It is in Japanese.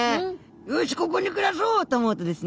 よしここに暮らそう！と思うとですね